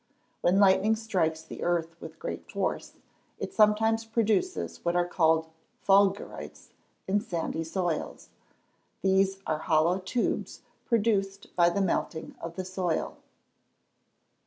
When lightning strikes the earth with great force, it sometimes produces what are called fulgurites in sandy soils; these are hollow tubes, produced by the melting of the soil.